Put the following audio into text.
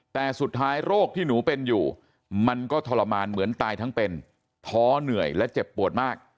แต่สุดท้ายโรคที่หนูเป็นอยู่มันก็ทรมานเหมือนตายทั้งเป็นท้อเหนื่อยและเจ็บปวดมาก